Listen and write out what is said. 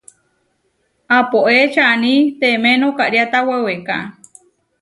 Apoé čani teme nokariáta weweká.